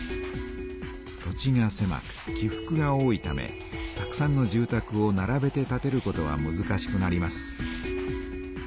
土地がせまく起ふくが多いためたくさんの住たくをならべて建てることはむずかしくなります。